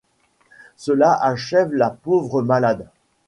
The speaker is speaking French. Cela achève la pauvre malade.